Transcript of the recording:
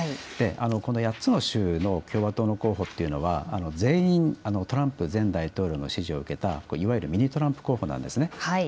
この８つの州の共和党の候補というのは全員トランプ前大統領の支持を受けたいわゆるミニトランプ候補なんです。